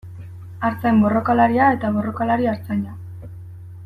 Artzain borrokalaria eta borrokalari artzaina.